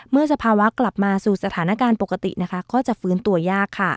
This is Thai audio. เมื่อสภาวะกลับมาสู่สถานการณ์ปกติก็จะฟื้นตัวยาก